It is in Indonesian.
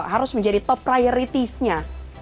harus menjadi top priority nya